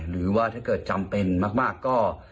หรือว่าถ้าเกิดจำเป็นมากก็